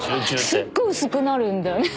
すっごい薄くなるんだよね。